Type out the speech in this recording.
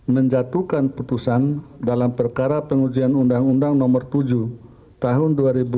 menjatuhkan putusan dalam perkara pengujian undang undang nomor tujuh tahun dua ribu tujuh belas